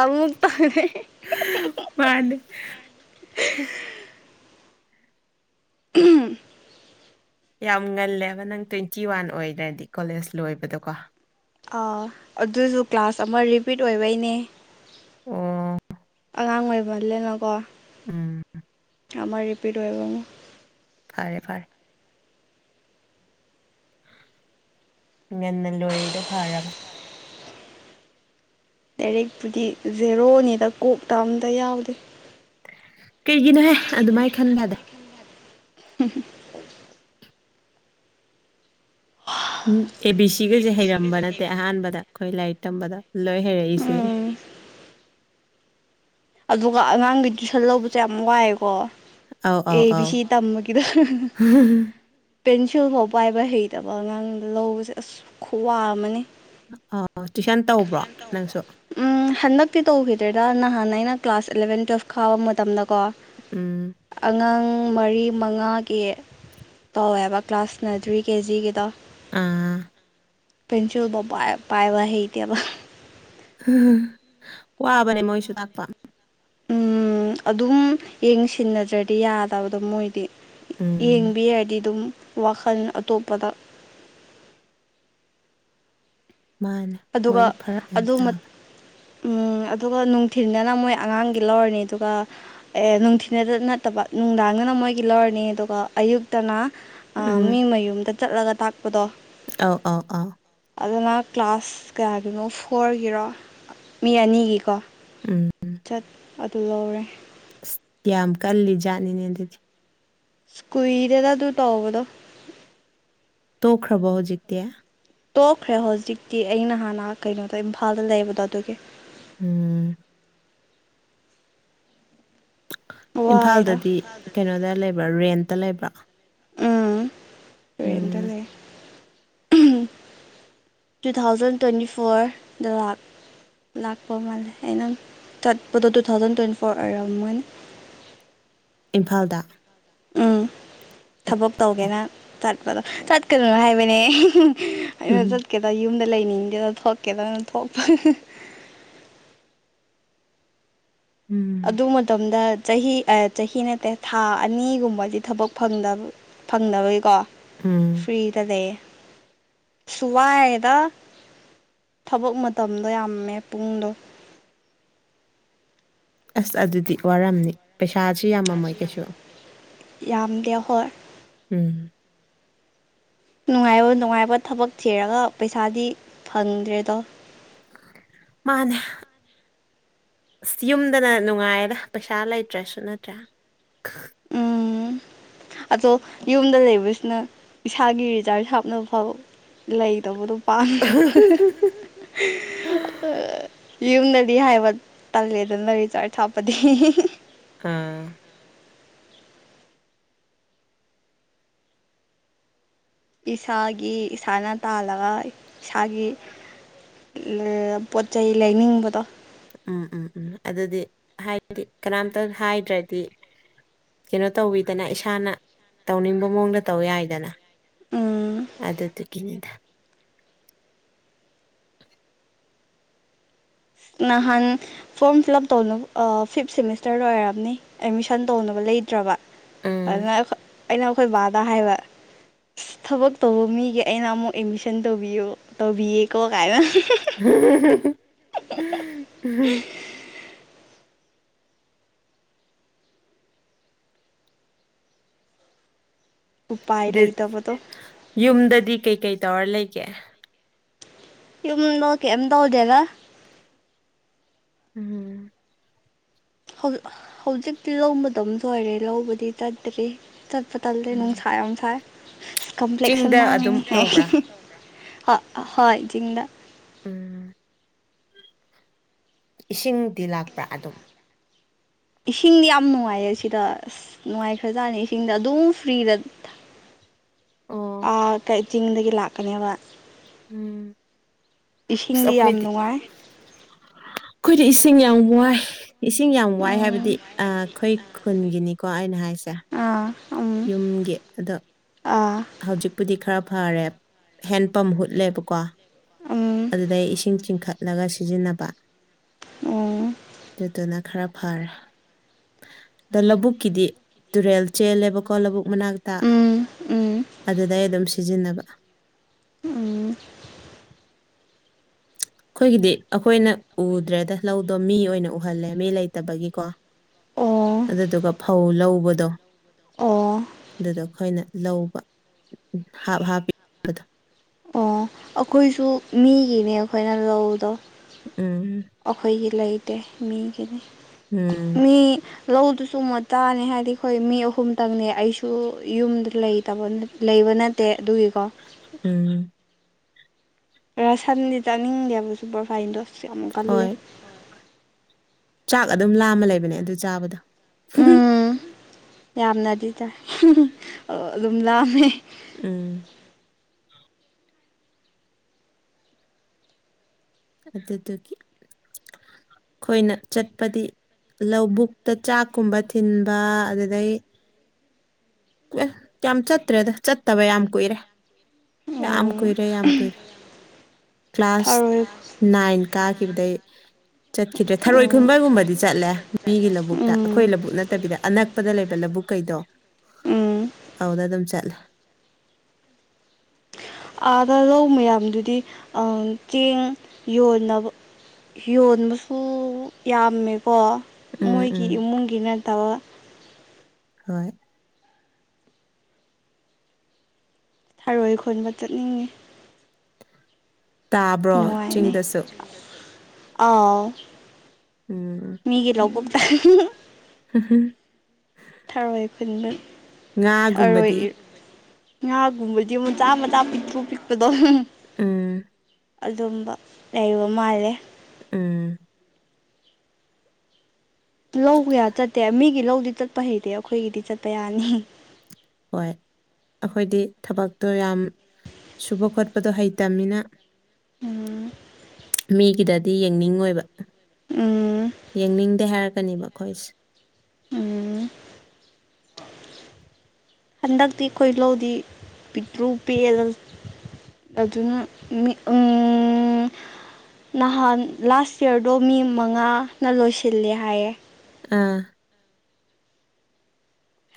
ꯑꯃꯃꯨꯛ ꯇꯅꯦ ꯍꯝ ꯎꯝ ꯌꯥꯝ ꯉꯜꯂꯦꯕ ꯅꯪ ꯇ꯭ꯋꯦꯟꯇꯤ ꯋꯥꯟ ꯑꯣꯏꯔ꯭ꯔꯗꯤ ꯀꯣꯂꯦꯖ ꯂꯣꯏꯕꯗꯀꯣ ꯑꯥ ꯑꯗꯨꯁꯨ ꯀ꯭ꯂꯥꯁ ꯑꯃ ꯔꯤꯄꯤꯠ ꯑꯣꯏꯕꯩꯅꯦ ꯎꯝ ꯑꯉꯥꯡ ꯑꯣꯏꯕꯂꯅꯀꯣ ꯎꯝ ꯑ ꯑꯃꯥꯏ ꯔꯤꯄꯤꯠ ꯑꯣꯏꯕ ꯑꯃ ꯐꯥꯔꯦ ꯐꯥꯔꯦ ꯟꯅ ꯂꯣꯏꯗ ꯐꯥꯔꯕ ꯂꯏꯔꯤꯛꯄꯨꯗꯤ ꯖꯦꯔꯣꯅꯤꯗ ꯀꯣꯛꯇ ꯑꯝꯇ ꯌꯥꯎꯗꯦ ꯀꯩꯒꯤꯅꯣꯍꯦ ꯑꯗꯨꯃꯥꯏꯅ ꯈꯟꯕꯗ ꯍꯝ ꯎꯝ ꯑꯦ ꯕꯤ ꯁꯤꯒꯁꯦ ꯍꯩꯔꯝꯕ ꯅꯠꯇꯦ ꯑꯍꯥꯟꯕꯗ ꯑꯩꯈꯣꯏ ꯂꯥꯏꯔꯤꯛ ꯇꯝꯕꯗ ꯂꯣꯏ ꯍꯩꯔꯛꯏꯁꯤꯅꯦ ꯎꯝ ꯑꯗꯨꯒ ꯑꯉꯥꯡꯒꯤ ꯇꯨꯏꯁꯟ ꯂꯧꯕꯁꯦ ꯌꯥꯝ ꯋꯥꯏꯦꯀꯣ ꯑꯧ ꯑꯧ ꯑꯦꯕꯤ ꯑꯧ ꯁꯤ ꯇꯃꯒꯤꯗ ꯄꯦꯟꯁꯤꯜꯐꯥꯎ ꯄꯥꯏꯕ ꯍꯩꯇꯕ ꯑꯉꯥꯡꯗ ꯂꯧꯕꯁꯦ ꯑꯁ ꯈꯨꯋꯥ ꯑꯃꯅꯤ ꯑꯣ ꯇꯨꯏꯁꯟ ꯇꯧꯕ꯭ꯔꯣ ꯅꯪꯁꯨ ꯎꯝ ꯍꯟꯗꯛꯇꯤ ꯇꯧꯈꯤꯗ꯭ꯔꯦꯗ ꯅꯍꯥꯟꯩꯅ ꯀ꯭ꯂꯥꯁ ꯑꯦꯂꯚꯦꯟ ꯇꯨꯋꯦꯜꯐ ꯈꯥꯎꯕ ꯃꯇꯝꯗꯀꯣ ꯎꯝ ꯑꯉꯥꯡ ꯄꯨꯡ ꯃꯔꯤ ꯃꯉꯥꯒꯤ ꯇꯧꯋꯦꯕ ꯀ꯭ꯂꯥꯁꯅꯗ꯭ꯔꯤ ꯀꯦꯖꯤꯒꯤꯗ ꯑꯥ ꯄꯦꯟꯁꯤꯤ ꯄꯥꯏ ꯄꯥꯏꯕ ꯍꯦꯕ ꯋꯥꯕꯅꯦ ꯃꯣꯏꯁꯨ ꯇꯥꯛꯄ ꯎꯝ ꯑꯗꯨꯝ ꯌꯦꯡꯁꯤꯟꯅꯗ꯭ꯔꯗꯤ ꯌꯥꯗꯕꯗꯣ ꯃꯣꯏꯗꯤ ꯎꯝ ꯌꯦꯡꯕ ꯌꯥꯏꯗꯤ ꯑꯗꯨꯝ ꯋꯥꯈꯜ ꯑꯇꯣꯞꯄꯗ ꯃꯥꯅꯦ ꯑꯗꯨꯒ ꯃꯣꯏꯗꯤ ꯐꯔꯛ ꯌꯥꯝ ꯑꯗꯨ ꯇꯥꯕ ꯎꯝ ꯑꯗꯨꯒ ꯅꯨꯡꯊꯤꯤꯟꯗꯅ ꯃꯣꯏ ꯑꯉꯥꯡꯒꯤ ꯂꯧꯔꯅꯤ ꯑꯗꯨꯒ ꯑꯦ ꯅꯨꯡꯊꯤꯤꯟꯗ ꯅꯠꯇꯕ ꯅꯨꯡꯗꯥꯡ ꯅ ꯃꯣꯏꯒꯤ ꯂꯧꯔꯅꯤ ꯑꯗꯨꯒ ꯑꯌꯨꯛꯇꯅ ꯎꯝ ꯃꯤ ꯃꯌꯨꯝꯗ ꯆꯠꯂꯒ ꯇꯥꯛꯄꯗꯣ ꯑꯧ ꯑ ꯑꯥ ꯑꯗꯨꯅ ꯀ꯭ꯂꯥꯁ ꯀꯌꯥꯒꯤꯅꯣ ꯐꯣꯔꯒꯤꯔꯣ ꯃꯤ ꯑꯅꯤꯒꯤꯀꯣ ꯎꯝ ꯆꯠ ꯑꯗꯨ ꯂꯧꯔꯦ ꯑꯁ ꯌꯥꯝ ꯀꯜꯂꯤ ꯖꯥꯠꯅꯤꯅꯦ ꯑꯗꯨꯗꯤ ꯁꯀꯏꯔꯦꯗ ꯇꯨ ꯇꯣꯕꯗ ꯇꯣꯈ꯭ꯔꯕꯣꯖꯤꯛꯇꯌꯥ ꯇꯣꯛꯈ꯭ꯔꯦ ꯍꯧꯖꯤꯛꯇꯤ ꯑꯩꯅ ꯍꯥꯟꯅ ꯀꯩꯅꯣꯗ ꯏꯝꯐꯥꯜꯗ ꯂꯩꯕꯗꯣ ꯑꯗꯨꯒꯤ ꯎꯝ ꯋꯥꯏꯗ ꯏꯝꯐꯥꯜꯗꯗꯤ ꯀꯩꯅꯣꯗ ꯂꯩꯕ꯭ꯔꯥ ꯔꯦꯟꯇ ꯂꯩꯕ꯭ꯔꯥ ꯎꯝ ꯔꯦꯟꯗ ꯎꯝ ꯂꯩ ꯇꯨ ꯊꯥꯎꯖꯟ ꯇ꯭ꯋꯦꯟꯇꯤ ꯐꯣꯔꯗ ꯂꯛ ꯂꯥꯛꯄꯣ ꯃꯥꯂꯦ ꯑꯩꯅ ꯇꯠꯄꯗꯣ ꯇꯨ ꯊꯥꯎꯖꯟ ꯇ꯭ꯋꯦꯟꯇꯤ ꯐꯣꯔ ꯑꯣꯏꯔꯝꯒꯅꯤ ꯏꯝꯐꯥꯜꯗ ꯎꯝ ꯊꯕꯛ ꯑꯣ ꯇꯧꯒꯦꯅ ꯆꯠꯄꯗꯣ ꯆꯠꯀꯗꯣꯏꯅ ꯍꯥꯏꯕꯅꯦ ꯑꯩꯅ ꯎꯝ ꯆꯠꯀꯦꯗ ꯌꯨꯝꯗ ꯂꯩꯅꯤꯗ ꯊꯣꯀꯦꯗ ꯊꯣꯄ ꯎꯝ ꯑꯗꯨ ꯃꯇꯝꯗ ꯆꯍꯤ ꯆꯍꯤ ꯅꯠꯇꯦ ꯊꯥ ꯑꯅꯤꯒꯨꯝꯕꯗꯤ ꯊꯕꯛꯗꯕ ꯐꯪꯗꯕꯒꯤꯀꯣ ꯎꯝ ꯐꯔꯤꯗꯗꯦ ꯁꯨꯍꯗ ꯊꯕꯛ ꯃꯇꯝꯗꯣ ꯌꯥꯝꯃꯦ ꯄꯨꯡꯗꯣ ꯑꯁ ꯑꯗꯨꯗꯤ ꯋꯥꯔꯝꯅꯤ ꯄꯩꯁꯥꯁꯤ ꯌꯥꯝꯃꯝꯃꯣꯏ ꯀꯩꯁꯨ ꯌꯥꯝꯗꯦ ꯍꯣꯏ ꯎꯝ ꯅꯨꯡꯉꯥꯏꯕ ꯅꯨꯡꯉꯥꯏꯕ ꯊꯕꯛ ꯊꯤꯔꯒ ꯄꯩꯁꯥꯗꯤ ꯐꯪꯗ꯭ꯔꯦꯗꯣ ꯃꯥꯅꯦ ꯑꯁ ꯌꯨꯝꯗꯅ ꯅꯨꯡꯉꯥꯏꯔ ꯄꯩꯁꯥ ꯂꯩꯇ꯭ꯔꯥꯁꯨ ꯅꯠꯇ꯭ꯔꯥ [inaudible] ꯎꯝ ꯑꯗꯣ ꯌꯨꯝꯗ ꯂꯩꯕꯁꯤꯅ ꯏꯁꯥꯒꯤ ꯔꯤꯆꯥꯥꯔꯖ ꯍꯥꯞꯅꯕ ꯐꯥꯎ ꯂꯩꯇꯕꯗꯣ ꯄꯥꯟꯗꯕ ꯌꯨꯝꯗꯗꯤ ꯍꯥꯏꯕ ꯇꯥꯛꯂꯦꯗꯅ ꯔꯤꯆꯥꯥꯔ ꯊꯥꯞꯄꯗꯤ ꯑꯥ ꯏꯁꯥꯒꯤ ꯏꯁꯥꯅ ꯇꯥꯜꯂꯒ ꯏꯁꯥꯒꯤ ꯄꯣꯠ ꯆꯩ ꯂꯩꯅꯤꯡꯕꯗꯣ ꯎꯝ ꯎꯝ ꯎꯝ ꯑꯗꯨꯗꯤ ꯍꯥꯏꯗꯤ ꯀꯅꯥꯝꯇ ꯍꯥꯏꯗ꯭ꯔꯗꯤ ꯀꯩꯅꯣ ꯇꯧꯕꯤꯗꯅ ꯏꯁꯥꯅ ꯇꯧꯅꯤꯡꯕ ꯃꯑꯣꯡꯗ ꯇꯧ ꯌꯥꯏꯗꯅ ꯎꯝ ꯑꯗꯨꯗꯗꯨ ꯀꯗ ꯅꯍꯥꯟ ꯐꯣꯔꯝ ꯐꯤꯜ ꯑꯞ ꯇꯧꯅꯕ ꯐꯤꯞ ꯁꯦꯃꯤꯁꯇꯔ ꯂꯣꯏ ꯑꯣꯏꯔꯕꯅꯤ ꯑꯦꯠꯃꯤꯁꯟ ꯇꯧꯅꯕ ꯂꯩ ꯍꯩꯇ꯭ꯔꯕ ꯎꯝ ꯑꯗꯨꯅ ꯑꯩꯅ ꯑꯩꯈꯣꯏ ꯕꯥꯗ ꯍꯥꯏꯕ ꯑꯁ ꯊꯕꯛ ꯇꯧꯕ ꯃꯤꯒꯤ ꯑꯩꯅ ꯑꯃꯨꯛ ꯑꯦꯠꯃꯤꯁꯟ ꯇꯧꯕꯤꯌꯣ ꯇꯧꯕꯤꯌꯦꯀꯣ ꯀꯥꯏꯅ [inaudible] ꯎꯄꯥꯏ ꯂꯩꯇꯕꯗꯣ ꯌꯨꯝꯗꯗꯤ ꯀꯩꯀꯩ ꯇꯧꯔ ꯂꯩꯒꯦ ꯌꯗ ꯀꯝ ꯇꯧꯗꯦꯒ ꯎꯝ ꯍꯧꯖꯤꯛꯇꯤ ꯂꯧꯕꯗꯝ ꯁꯣꯏꯔꯦ ꯂꯧꯕꯗꯤ ꯆꯠꯇ꯭ꯔꯤ ꯆꯠꯄ ꯇꯠꯂꯦ ꯎꯝ ꯅꯨꯡꯁꯥ ꯌꯥꯝ ꯁꯥꯏ ꯑ ꯀꯝꯄ꯭ꯂꯦꯛꯁ ꯌꯥꯝ ꯆꯤꯡꯗ ꯑꯗꯨꯝ ꯃꯥꯡꯉꯅꯤ ꯇꯧꯕ꯭ꯔꯥ ꯍꯥꯏ ꯍꯣꯏ ꯖꯤꯡꯗꯥ ꯎꯝ ꯏꯁꯤꯡꯗꯤ ꯂꯥꯛꯄ꯭ꯔꯥ ꯑꯗꯨꯝ ꯏꯁꯤꯡꯗꯤ ꯌꯥꯝ ꯅꯨꯡꯉꯥꯏꯌꯦ ꯁꯤꯗ ꯑꯁ ꯅꯨꯡꯉꯥꯏꯈ꯭ꯔꯖꯥꯔꯅꯤ ꯏꯁꯤꯡꯗ ꯑꯗꯨꯝ ꯐ꯭ꯔꯤꯗ [unintelligible] ꯑꯣ ꯀ ꯆꯤꯡꯗꯒꯤ ꯂꯥꯛꯀꯅꯦꯕ ꯎꯝ ꯑꯁ ꯏꯁꯤꯡꯗꯤ ꯌꯥꯝ ꯑꯩꯈꯣꯏꯗꯤ ꯅꯨꯡꯉꯥꯏ ꯑꯩꯈꯣꯏꯗꯤ ꯏꯁꯤꯡ ꯌꯥꯝ ꯋꯥꯏ ꯏꯁꯤꯡ ꯌꯥꯝ ꯋꯥꯏ ꯍꯥꯏꯕꯗꯤ ꯑꯩꯈꯣꯏ ꯈꯨꯟꯒꯤꯅꯤꯀꯣ ꯑꯩꯅ ꯍꯥꯏꯁꯦ [unintelligible] ꯑꯥ ꯎꯝ ꯌꯨꯝꯒꯤ ꯑꯗ ꯑꯥ ꯍꯧꯖꯤꯛꯄꯨꯗꯤ ꯈꯔ ꯐꯔꯦ ꯍꯦꯟꯄꯝ ꯍꯨꯠꯂꯦꯕꯀꯣ ꯎꯝ ꯑꯗꯨꯗꯩ ꯏꯁꯤꯡ ꯆꯤꯡꯈꯠꯂꯒ ꯁꯤꯖꯤꯟꯅꯕ ꯎꯝ ꯑꯗꯨꯗꯨꯅ ꯈꯔ ꯐꯔꯦ ꯑꯗꯣ ꯂꯧꯕꯨꯛꯀꯤꯗꯤ ꯇꯨꯔꯦꯜ ꯆꯦꯜꯂꯦꯕꯀꯣ ꯂꯧꯕꯨꯛ ꯃꯅꯥꯛꯇ ꯎꯝ ꯎꯝ ꯑꯗꯨꯗ ꯑꯩ ꯑꯗꯨꯝ ꯁꯤꯖꯤꯟꯅꯕ ꯎꯝ ꯑꯩꯈꯣꯏꯒꯤꯗꯤ ꯑꯩꯈ ꯑꯩꯈꯣꯏꯅ ꯎꯗ꯭ꯔꯦꯗ ꯂꯧꯗꯣ ꯃꯤ ꯑꯣꯏꯅ ꯎꯍꯜꯂꯦ ꯃꯤ ꯂꯩꯇꯕꯒꯤꯀꯣ ꯑꯣ ꯑꯗꯨꯗꯨꯒ ꯐꯧ ꯂꯧꯕꯗꯣ ꯑꯣ ꯑꯗꯨꯗ ꯑꯩꯈꯣꯏꯅ ꯂꯧꯕ ꯍꯥꯞ ꯍꯥꯞꯄꯤꯕꯗꯣ ꯑꯣ ꯑꯩꯈꯣꯏꯁꯨ ꯃꯤ ꯑꯩꯈꯣꯏꯅ ꯂꯧꯗꯣ ꯎꯝ ꯑꯩꯈꯣꯏꯒꯤ ꯂꯩꯇꯦ ꯃꯤꯒꯤꯅꯤ ꯎꯝ ꯃꯤ ꯂꯧꯗꯨꯁꯨ ꯃꯨꯥꯅꯤ ꯍꯥꯏꯗꯤ ꯑꯩꯈꯣꯏ ꯃꯤ ꯑꯍꯨꯝꯇꯪꯅꯦ ꯑꯩꯁꯨ ꯌꯨꯝꯗ ꯂꯩꯇꯕ ꯑꯗꯨ ꯅꯠꯇꯦ ꯑꯗꯨꯒꯤꯀꯣ ꯎꯝ ꯁꯟꯗꯤ ꯆꯥꯅꯤꯡꯗꯦꯕ ꯁꯨꯄꯔ ꯐꯥꯏꯟꯗꯣ ꯑꯁ ꯌꯥꯝꯨꯛ ꯀꯜꯂꯦ ꯍꯣꯏ ꯆꯥꯛ ꯑꯗꯨꯝ ꯂꯥꯝꯃ ꯂꯩꯕꯅꯦ ꯑꯗꯨ ꯆꯥꯕꯗꯣ ꯎꯝ ꯌꯥꯝꯅꯗꯤ ꯇꯥꯏ ꯑꯗꯨꯝ ꯂꯥꯑꯝꯃꯦ ꯎꯝ ꯑꯗꯨꯗꯨꯒꯤ ꯑꯩꯈꯣꯏꯅ ꯆꯠꯄꯗꯤ ꯂꯧꯕꯨꯛꯇ ꯆꯥꯛꯀꯨꯝꯕ ꯊꯤꯟꯕ ꯑꯗꯨꯗꯩ ꯑꯦꯁ ꯌꯥꯝ ꯆꯠꯇ꯭ꯔꯦꯗ ꯆꯠꯇꯕ ꯌꯥꯝ ꯀꯨꯏꯔꯦ ꯌꯥꯝ ꯎꯝ ꯀꯣꯏꯔꯦ ꯌꯥꯝ ꯀꯣꯏꯔꯦ ꯀ꯭ꯂꯥꯁ ꯊꯔꯣꯏ ꯅꯥꯏꯅ ꯀꯥꯈꯤꯕꯗ ꯆꯠꯈꯤꯗ꯭ꯔꯦ ꯊꯔꯣꯏ ꯈꯨꯟꯕꯒꯨꯝꯕꯗꯤ ꯆꯠꯂꯦ ꯃꯤꯒꯤ ꯂꯧꯕꯨꯛꯇ ꯑꯩꯈꯣꯏ ꯎꯝ ꯂꯧꯕꯨꯛ ꯅꯠꯇꯕꯤꯗ ꯑꯅꯛꯄꯗ ꯂꯩꯕ ꯂꯧꯕ ꯕꯨ ꯀꯩꯗꯣ ꯎꯝ ꯑꯗꯨꯗ ꯑꯗꯨꯝ ꯆꯠꯂꯦ ꯑꯥꯗ ꯂꯧ ꯃꯌꯥꯝꯗꯨꯗꯤ ꯆꯦꯡ ꯌꯣꯟꯅꯕ ꯌꯣꯟꯕꯁꯨ ꯌꯥꯝꯃꯦꯀꯣ ꯎꯝ ꯃꯣꯏꯒꯤ ꯎꯝ ꯏꯃꯨꯡꯒꯤ ꯅꯠꯇꯕ ꯍꯣꯏ ꯊꯔꯣꯏ ꯈꯣꯟꯕ ꯆꯠꯅꯤꯡꯉꯤ ꯇꯥꯕ꯭ꯔꯣ ꯅꯨꯡꯉꯥꯏꯅꯦ ꯆꯤꯡꯗꯁꯨ ꯑꯥꯎ ꯃꯤꯒꯤ ꯂꯧꯕꯗ ꯍꯝꯝ ꯄꯨꯕ ꯉꯥꯒꯨꯝꯕꯗꯤ ꯉꯥꯒꯨꯝꯕꯗꯤ ꯃꯆꯥ ꯃꯆꯥ ꯄꯤꯊꯣꯛ ꯄꯤꯛꯄꯗꯣ ꯎꯝ ꯑꯗꯨꯝꯕ ꯂꯩꯕ ꯃꯥꯜꯂꯦ ꯎꯝ ꯂꯧ ꯀꯌꯥ ꯆꯠꯇꯦ ꯃꯤꯒꯤ ꯂꯧꯗꯤ ꯆꯠꯄ ꯍꯩꯇꯦ ꯑꯩꯈꯣꯏꯒꯤꯗꯤ ꯆꯠꯄ ꯌꯥꯅꯤ ꯍꯣꯏ ꯑꯩꯈꯣꯏꯗꯤ ꯊꯕꯛꯇꯣ ꯌꯥꯝ ꯁꯨꯕ ꯈꯣꯠꯄꯗꯣ ꯍꯩꯇꯕꯃꯤꯅ ꯑ ꯃꯤꯒꯤꯗꯗꯤ ꯌꯦꯡꯅꯤꯡꯉꯣꯏꯕ ꯎꯝ ꯌꯦꯡꯅꯤꯡꯗꯦ ꯍꯥꯏꯔꯒ ꯀꯅꯤꯕ ꯈꯣꯏꯁ ꯎꯝ ꯍꯟꯗꯛꯇꯤ ꯑꯩꯈꯣꯏ ꯂꯧꯗꯤ ꯄꯤꯄ꯭ꯔꯨ ꯄꯦꯜꯦꯜ ꯑꯗꯨꯅ ꯃꯤ ꯎ ꯅꯍꯥꯟ ꯂꯥꯁ ꯌꯌꯥꯔꯗꯣ ꯃꯤ ꯃꯉꯥꯅ ꯂꯣꯏꯁꯤꯜꯂꯦ ꯍꯥꯏꯌꯦꯦ ꯑꯥ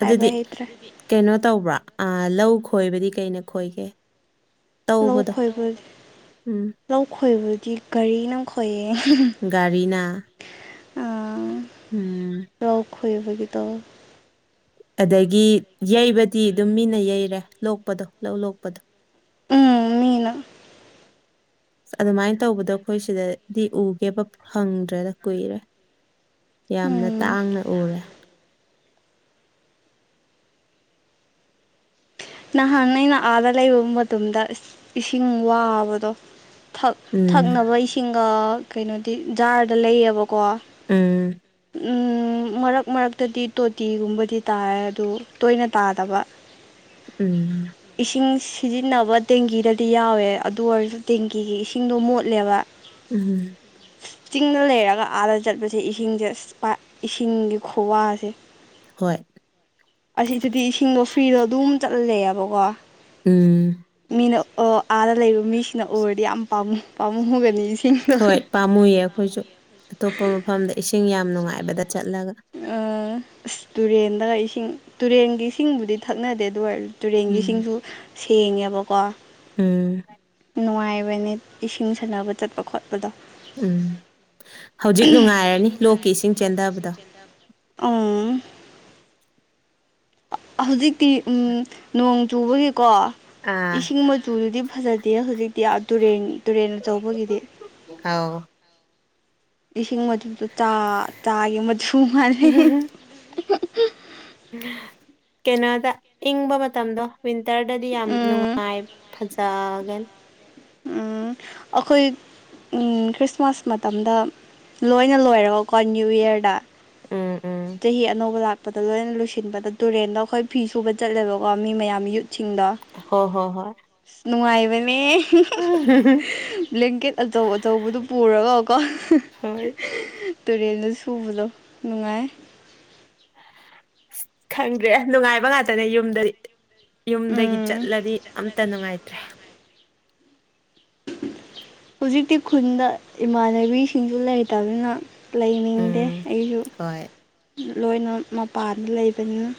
ꯍꯥꯏꯕ ꯍꯩꯇ꯭ꯔꯦ ꯀꯩꯅꯣ ꯇꯧꯕ꯭ꯔꯥ ꯂꯧ ꯈꯣꯏꯕꯗꯤ ꯀꯩꯅ ꯈꯣꯏꯒꯦ ꯂꯝ ꯇꯧꯕꯗꯣ ꯈꯣꯏꯕꯒꯤ ꯎꯝ ꯂꯧ ꯈꯣꯏꯕꯗꯤ ꯀꯒꯥꯔꯤꯅ ꯈꯣꯏꯌꯦ ꯆ ꯑꯥ ꯎꯝ ꯂꯧ ꯈꯣꯏꯕꯒꯤꯗꯣ ꯑꯗꯒꯤ ꯌꯩꯕꯗꯤ ꯑꯗꯨꯝ ꯃꯤꯅ ꯌꯩꯔꯦ ꯂꯣꯛꯄꯗꯣ ꯂꯧ ꯂꯣꯛꯄꯗꯣ ꯎꯝ ꯃꯤꯅ ꯑꯗꯨꯃꯥꯏꯅ ꯇꯧꯕꯗꯣ ꯑꯩꯈꯣꯏ ꯁꯤꯗꯗꯤ ꯎꯒꯦꯕ ꯐꯪꯗ꯭ꯔꯦꯗ ꯀꯨꯏꯔꯦ ꯌꯥꯝꯅ ꯎꯝ ꯇꯥꯡꯅ ꯎꯔꯦ ꯅꯍꯥꯛ ꯑꯩꯅ ꯑꯥꯗ ꯂꯩꯕ ꯃꯇꯝꯗ ꯏꯁꯤꯡ ꯋꯥꯕꯗꯣ ꯛ ꯎꯝ ꯊꯛꯅꯕ ꯏꯁꯤꯡꯒ ꯀꯩꯅꯣꯗꯤ ꯖꯥꯔꯗ ꯂꯩꯌꯦꯕꯀꯣ ꯎꯝ ꯃꯔꯛ ꯃꯔꯛꯇꯗꯤ ꯇꯣꯇꯤꯒꯨꯝꯕꯗꯤ ꯇꯥꯏ ꯑꯗꯨ ꯇꯣꯏꯅ ꯇꯥꯗꯕ ꯎꯝ ꯏꯁꯤꯡ ꯁꯤꯖꯤꯟꯅꯕ ꯗꯦꯡꯒꯤꯗꯗꯤ ꯌꯥꯎꯋꯦ ꯑꯗꯨ ꯑꯣꯏꯔꯁꯨ ꯗꯦꯡꯒꯤꯒꯤ ꯏꯁꯤꯡꯗꯣ ꯃꯣꯠꯂꯦꯕ ꯎꯝ ꯆꯤꯡꯗ ꯂꯩꯔꯒ ꯑꯥꯗ ꯆꯠꯄꯁꯦ ꯏꯁꯤꯡꯁꯦ ꯑ ꯏꯁꯤꯡꯒꯤ ꯈꯨꯋꯥꯁꯦ ꯍꯣꯏ ꯑꯁꯤꯗꯗꯤ ꯏꯁꯤꯡꯗꯣ ꯐ꯭ꯔꯤꯗꯣ ꯑꯗꯨꯝ ꯆꯠꯂꯦꯦꯕꯀꯣ ꯎꯝ ꯑꯩꯅ ꯑꯥꯗ ꯂꯩꯔꯤꯕ ꯃꯤꯁꯤꯡꯅ ꯎꯔꯗꯤ ꯌꯥꯝ ꯄ ꯄꯥꯝꯃꯨꯨꯒꯅꯤꯦ ꯍꯣꯏ ꯄꯥꯝꯃꯨꯌꯦ ꯑꯩꯈꯣꯏꯁꯨ ꯑꯇꯣꯞꯄ ꯃꯐꯝꯗ ꯏꯁꯤꯡ ꯌꯥꯝ ꯅꯨꯡꯉꯥꯏꯕꯗ ꯆꯠꯂꯒ ꯑꯥ ꯑꯁ ꯇꯨꯔꯦꯟꯗ ꯏꯁꯤꯡ ꯇꯨꯔꯦꯟꯒꯤ ꯏꯁꯤꯡꯕꯨꯗꯤ ꯊꯛꯅꯗꯦ ꯑꯗꯨ ꯑꯣꯏꯔ ꯇꯨꯔꯦꯟꯒꯤ ꯎꯝ ꯏꯁꯤꯡꯁꯨ ꯁꯦꯡꯉꯦꯕꯀꯣ ꯎꯝ ꯅꯨꯡꯉꯥꯏꯕꯅꯤ ꯏꯁꯤꯡ ꯁꯥꯟꯅꯕ ꯆꯠꯄ ꯈꯣꯠꯄ ꯎꯝ ꯍꯧꯖꯤꯛ ꯅꯨꯡꯉꯥꯏꯔꯅꯤ ꯂꯣꯛꯀꯤ ꯏꯁꯤꯡ ꯆꯦꯟꯊꯕꯗꯣ ꯎꯝ ꯍꯧꯖꯤꯛꯇꯤ ꯎ ꯅꯣꯡ ꯆꯨꯕꯒꯤꯀꯣ ꯑꯥ ꯏꯁꯤꯡ ꯃꯆꯨꯗꯨꯗꯤ ꯐꯖꯗꯦ ꯍꯧꯖꯤꯛꯇꯤ ꯇꯨꯔꯦꯟ ꯇꯨꯔꯦꯟ ꯑꯆꯧꯕꯒꯤꯗꯤ ꯑꯥꯎ ꯂꯤꯁꯤꯡ ꯃꯗꯣ ꯇꯥ ꯇꯥꯒꯦ ꯃꯆꯨ ꯃꯥꯜꯂꯦ ꯀꯩꯅꯣꯗ ꯏꯪꯕ ꯃꯇꯝꯗꯣ ꯋꯤꯟꯇꯔꯗꯗꯤ ꯌꯥꯝ ꯎꯝ ꯅꯨꯡꯉꯥꯏ ꯐꯖꯒꯅꯤ ꯎꯝ ꯑꯩꯈꯣꯏ ꯈ꯭ꯔꯤꯁꯃꯥꯁ ꯃꯇꯝꯗ ꯂꯣꯏꯅ ꯂꯣꯏꯔꯒꯀꯣ ꯅ꯭ꯌꯨ ꯌꯔꯗ ꯎꯝ ꯎꯝ ꯣꯠꯄꯗ ꯂꯣꯏꯅ ꯂꯣꯏꯁꯤꯟꯕꯗ ꯇꯨꯔꯦꯟꯗ ꯑꯩꯈꯣꯏ ꯐꯤ ꯁꯨꯕ ꯆꯠꯂꯦꯕꯀꯣ ꯃꯤ ꯃꯌꯥꯝ ꯌꯠ ꯆꯤꯡꯗ ꯑ ꯍꯣ ꯍꯣ ꯍꯣꯏ ꯅꯨꯡꯉꯥꯏꯕꯅꯦ ꯕ꯭ꯂꯦꯡꯀꯦꯠ ꯑꯆꯧ ꯑꯆꯧꯕꯗꯨ ꯄꯨꯔꯒ ꯀꯣ ꯍꯣꯏ ꯇꯨꯔꯦꯟꯗ ꯁꯨꯕꯗꯣ ꯅꯨꯡꯉꯥꯏ ꯈꯪꯗ꯭ꯔꯦ ꯅꯨꯡꯉꯥꯏꯕ ꯉꯥꯛꯇꯅꯦ ꯌꯨꯝꯗꯗꯤ ꯌꯨꯝꯗꯒꯤ ꯎꯝ ꯆꯠꯂꯗꯤ ꯑꯝꯇ ꯅꯨꯡꯉꯥꯏꯇ꯭ꯔꯦ ꯍꯧꯖꯤꯛꯇꯤ ꯈꯨꯟꯗ ꯏꯃꯥꯟꯅꯕꯤꯁꯤꯡꯁꯨ ꯂꯩꯇꯕꯅ ꯂꯩꯅꯤꯡꯗꯦ ꯎꯝ ꯑꯩꯁꯨ ꯍꯣꯏ ꯂꯣꯏꯅ ꯃꯄꯥꯟꯗ ꯂꯩꯕꯅꯤꯅ